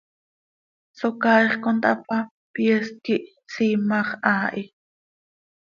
Socaaix conthapa, pyeest quih hsiimaj haa hi.